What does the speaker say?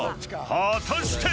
［果たして⁉］